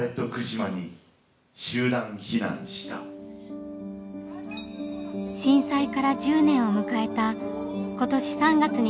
震災から１０年を迎えた今年３月に上演されました。